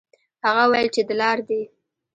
هغه وویل چې دلار دي.